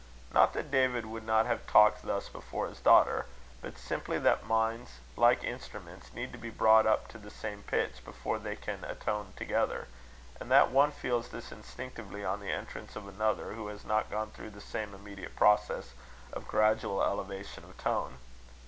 Not that David would not have talked thus before his daughter, but simply that minds, like instruments, need to be brought up to the same pitch, before they can "atone together," and that one feels this instinctively on the entrance of another who has not gone through the same immediate process of gradual elevation of tone.